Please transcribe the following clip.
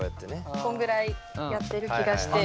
こんぐらいやってる気がして。